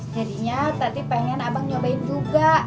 jadinya tadi pengen abang nyobain juga